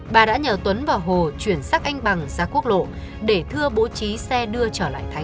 bà đã nhờ tuấn và hồ chuyển xác anh bằng ra quốc lộ để thưa bố trí xe đưa trở lại thái